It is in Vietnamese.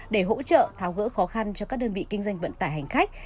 để hỗ trợ tháo gỡ khó khăn cho các đơn vị kinh doanh vận tải hành khách